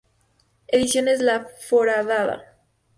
Ediciones La Foradada.